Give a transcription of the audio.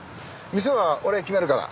店は俺が決めるから。